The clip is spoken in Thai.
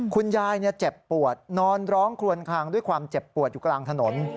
คุณยายเจ็บปวดนอนร้องคลวนคลางด้วยความเจ็บปวดอยู่กลางถนน